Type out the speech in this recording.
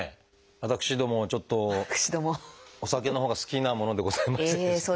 私どもちょっとお酒のほうが好きなものでございましてですね。